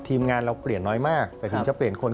ทีมงานเราเปลี่ยนน้อยมากแต่ถึงจะเปลี่ยนคน